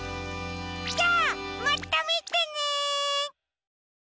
じゃあまたみてね！